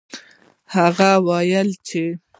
هغه وویل چې